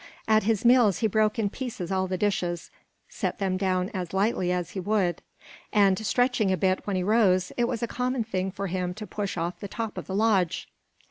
At his meals he broke in pieces all the dishes, set them down as lightly as he would; and stretching a bit when he rose, it was a common thing for him to push off the top of the lodge.